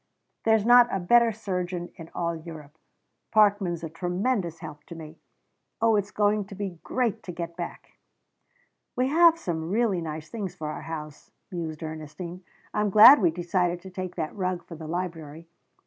There's not a better surgeon in all Europe. Parkman's a tremendous help to me. Oh, it's going to be great to get back!" "We have some really nice things for our house," mused Ernestine. "I'm glad we decided to take that rug for the library.